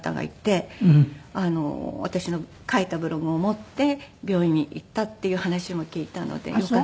私の書いたブログを持って病院に行ったっていう話も聞いたのでよかった。